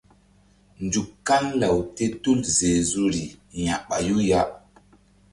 Nzuk kan law te tul zezu ri ya̧ɓayu ya.